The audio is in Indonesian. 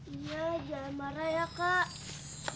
iya jangan marah ya kak